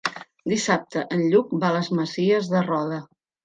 Dissabte en Lluc va a les Masies de Roda.